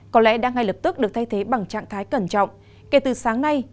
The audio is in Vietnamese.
có lẽ đã ngay lập tức được thay thế bằng trạng thái cẩn trọng kể từ sáng nay